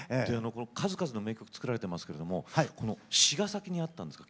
数々の名曲を作られていますけれども詞が先にあったんですか。